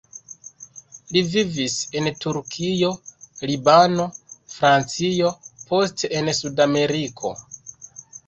Li vivis en Turkio, Libano, Francio, poste en Sud-Ameriko.